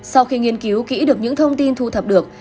sau khi nghiên cứu kỹ được những thông tin thu thập được